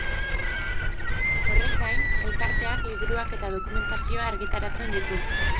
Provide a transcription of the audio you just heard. Horrez gain, elkarteak liburuak eta dokumentazioa argitaratzen ditu.